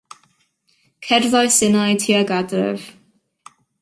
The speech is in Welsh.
Cerddais innau tuag adref.